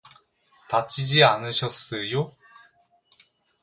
다치지 않으셨으요?